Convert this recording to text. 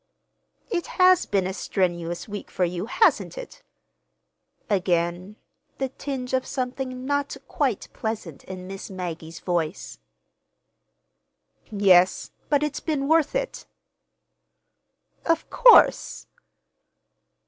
"It has been a strenuous week for you, hasn't it?" Again the tinge of something not quite pleasant in Miss Maggie's voice. "Yes, but it's been worth it." "Of course!"